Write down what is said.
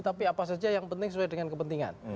tapi apa saja yang penting sesuai dengan kepentingan